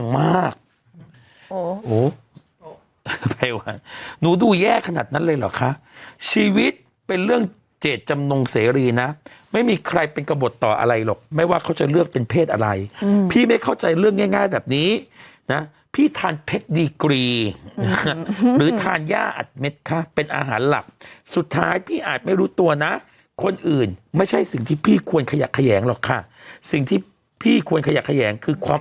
มากโอ้โหอะไรวะหนูดูแย่ขนาดนั้นเลยเหรอคะชีวิตเป็นเรื่องเจตจำนงเสรีนะไม่มีใครเป็นกระบดต่ออะไรหรอกไม่ว่าเขาจะเลือกเป็นเพศอะไรพี่ไม่เข้าใจเรื่องง่ายแบบนี้นะพี่ทานเพชรดีกรีหรือทานย่าอัดเม็ดคะเป็นอาหารหลักสุดท้ายพี่อาจไม่รู้ตัวนะคนอื่นไม่ใช่สิ่งที่พี่ควรขยะแขยงหรอกค่ะสิ่งที่พี่ควรขยักแขยงคือความ